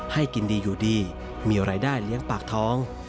ให้กินดีอยู่ดีมีรายได้เลี้ยงปากท้อง